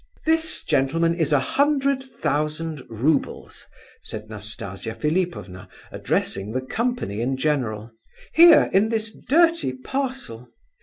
"This, gentlemen, is a hundred thousand roubles," said Nastasia Philipovna, addressing the company in general, "here, in this dirty parcel.